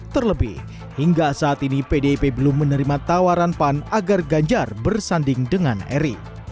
terlebih hingga saat ini pdip belum menerima tawaran pan agar ganjar bersanding dengan eri